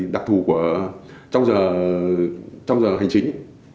đặc thù trong giờ hành chính